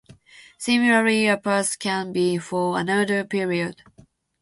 Similarly a pass can be for another period.